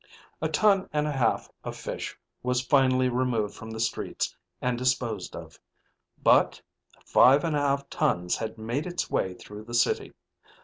A ton and a half of fish was finally removed from the streets and disposed of. But five and a half tons had made its way through the city.